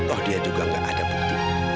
oh dia juga gak ada bukti